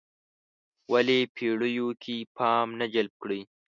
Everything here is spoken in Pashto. ولې پېړیو کې پام نه جلب کړی.